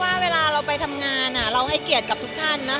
ก็ยังงงเพราะเวลาไปทำงานเราให้เกลียดกับทุกท่านนะคะ